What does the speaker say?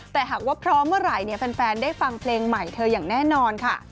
แต่หากว่าพร้อมเมื่อไหร่แฟนได้ฟังเพลงใหม่เธออย่างแน่นอนค่ะ